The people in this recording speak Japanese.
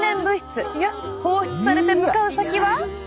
放出されて向かう先は。